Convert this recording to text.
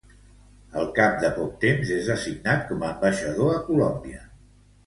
Al cap de poc temps és designat com a ambaixador a Colòmbia.